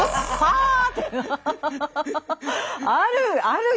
ある。